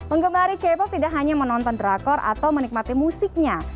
penggemari k pop tidak hanya menonton drakor atau menikmati musiknya